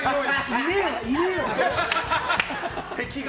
いねえわ！